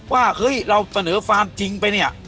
ว่าเฮ้ยเราเสนอฟาร์มจริงไปเนี่ย